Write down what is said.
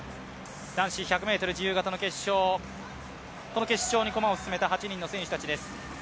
男子１００ｍ自由形の決勝この決勝に駒を進めた８人の選手たちです。